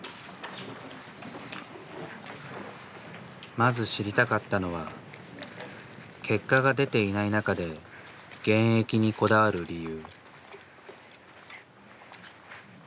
まず知りたかったのは結果が出ていない中で現役にこだわる理由。